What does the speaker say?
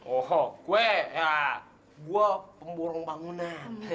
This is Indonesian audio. oh gue ya gue pemborong bangunan